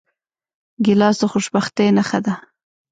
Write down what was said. ګیلاس د خوشبختۍ نښه ده.